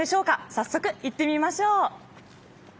早速行ってみましょう。